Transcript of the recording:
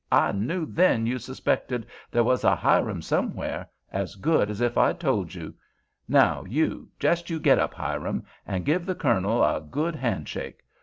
I knew then you suspected there was a Hiram somewhere—as good as if I'd told you. Now, you, jest get up, Hiram, and give the Colonel a good handshake.